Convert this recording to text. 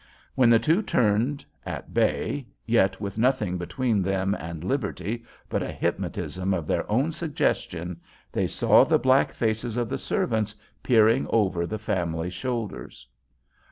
When the two turned, at bay, yet with nothing between them and liberty but a hypnotism of their own suggestion, they saw the black faces of the servants peering over the family shoulders.